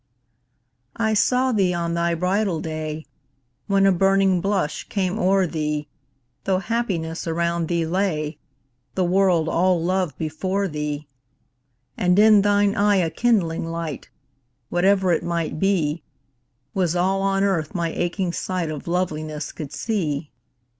I saw thee on thy bridal day When a burning blush came o'er thee, Though happiness around thee lay, The world all love before thee: And in thine eye a kindling light (Whatever it might be) Was all on Earth my aching sight Of Loveliness could see.